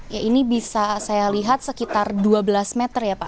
ya ini bisa saya lihat sekitar dua belas meter ya pak